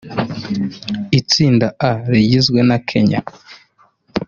Itsinda A rigizwe na Kenya